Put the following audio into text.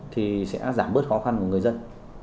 thì sẽ giảm bớt khó khăn của người dân